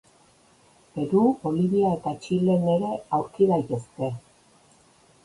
Peru, Bolivia eta Txilen ere aurki daitezke.